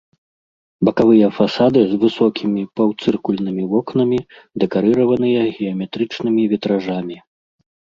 Бакавыя фасады з высокімі паўцыркульнымі вокнамі, дэкарыраваныя геаметрычнымі вітражамі.